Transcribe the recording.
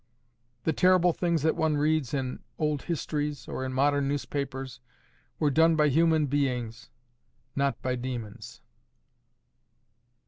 The terrible things that one reads in old histories, or in modern newspapers, were done by human beings, not by demons.